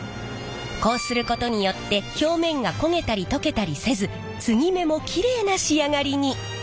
こうすることによって表面が焦げたり溶けたりせず継ぎ目もきれいな仕上がりに。